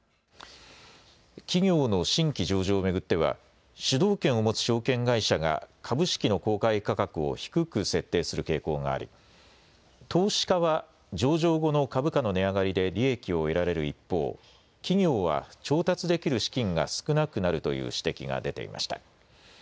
企業の新規上場を巡っては主導権を持つ証券会社が株式の公開価格を低く設定する傾向があり投資家は上場後の株価の値上がりで利益を得られる一方、企業は調達できる資金が少なくなるという指摘が出ていました。